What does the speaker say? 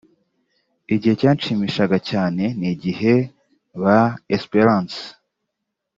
Igihe cyanshimishaga cyane ni igihe ba Espérance